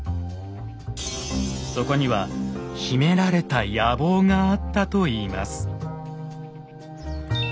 そこには秘められた野望があったといいます。